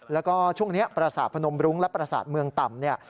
แล้วก็ช่วงนี้ประสาทพนมรุ้งและประสาทเมืองต่ำเนี่ย